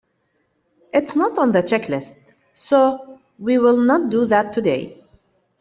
It's not on the checklist so we will not do that today.